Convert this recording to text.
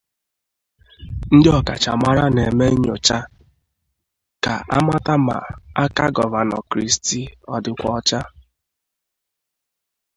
ndị ọkacha mara na-eme nnyocha ka A mata ma aka Gọvanọ Christie ọ dịkwa ọcha